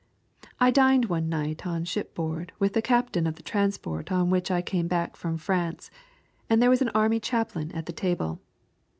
I dined one night on shipboard with the captain of the transport on which I came back from France, and there was an army chaplain at the table.